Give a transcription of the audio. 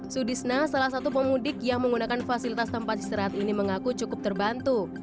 sudisna salah satu pemudik yang menggunakan fasilitas tempat istirahat ini mengaku cukup terbantu